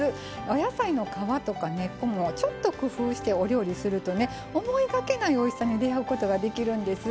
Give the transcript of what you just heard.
お野菜の皮とか根っこもちょっと工夫してお料理するとね思いがけないおいしさに出会うことができるんです。